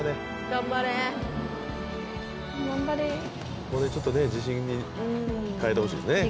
頑張れ頑張れここでちょっとね自信に変えてほしいですね